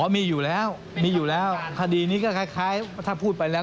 มีอยู่แล้วมีอยู่แล้วคดีนี้ก็คล้ายถ้าพูดไปแล้ว